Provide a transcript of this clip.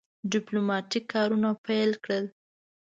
ډیپلوماټیک کارونه پیل کړل.